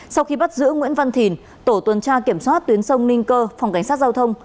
sau khi bắt giữ nguyễn văn thìn tổ tuần tra kiểm soát tuyến sông ninh cơ phòng cảnh sát giao thông